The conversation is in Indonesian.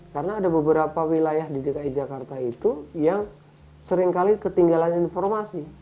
karena ada beberapa wilayah di dki jakarta itu yang seringkali ketinggalan informasi